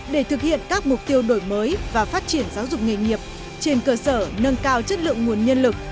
để thực hiện các mục tiêu đổi mới và phát triển giáo dục nghề nghiệp trên cơ sở nâng cao chất lượng nguồn nhân lực